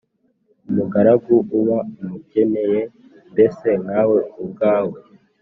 umugarugu uba umukeneye mbese nkawe ubwawe.